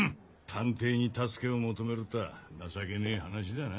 探偵に助けを求めるとは情けねえ話だな。